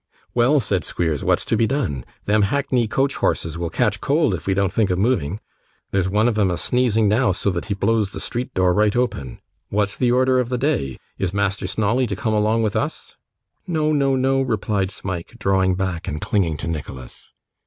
'Well,' said Squeers, 'what's to be done? Them hackney coach horses will catch cold if we don't think of moving; there's one of 'em a sneezing now, so that he blows the street door right open. What's the order of the day? Is Master Snawley to come along with us?' 'No, no, no,' replied Smike, drawing back, and clinging to Nicholas.